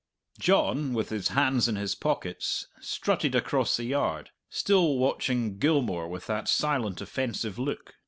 John, with his hands in his pockets, strutted across the yard, still watching Gilmour with that silent, offensive look.